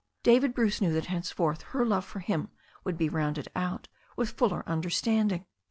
David Bruce knew that henceforth her love for him would be rounded out with fuller understanding.